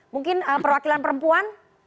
mungkin perwakilan perempuan